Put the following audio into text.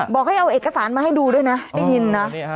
บอกให้เอาเอกสารมาให้ดูด้วยนะได้ยินนะ